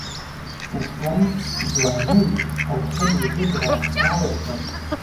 تر خپل ځوانۍ او خپل وجود را تاو کړم